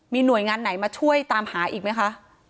มีหน่วยงานไหนมาช่วยตามหาอีกไหมคะ